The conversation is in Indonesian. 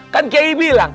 kan kiai bilang